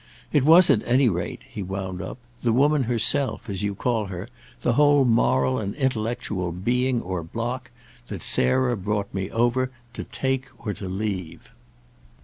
It was at any rate," he wound up, "the woman herself, as you call her the whole moral and intellectual being or block, that Sarah brought me over to take or to leave."